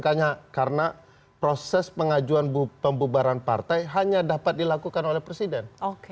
karena proses pengajuan pembubaran partai hanya dapat dilakukan oleh presiden